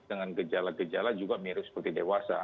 dengan gejala gejala juga mirip seperti dewasa